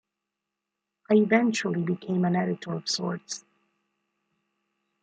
I eventually became an editor of sorts.